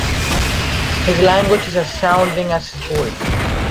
His language is as sounding as his voice.